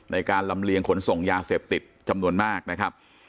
ในการลำเลียงขนส่งยาเสพติดจำนวนมากนะครับ